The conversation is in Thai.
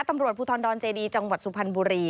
ตำรวจภูทรดอนเจดีจังหวัดสุพรรณบุรี